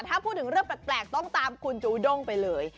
ถ้าพูดถึงเรื่องแปลกต้องตามคุณจูด้งไปเลย